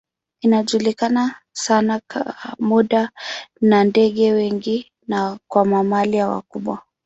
Inajulikana sana kwa kuwa na ndege wengi na kwa mamalia wakubwa.